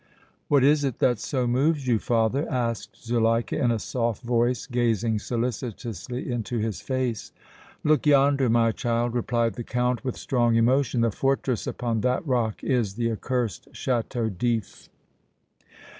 "What is it that so moves you, father?" asked Zuleika, in a soft voice, gazing solicitously into his face. "Look yonder, my child," replied the Count, with strong emotion; "the fortress upon that rock is the accursed Château d' If!"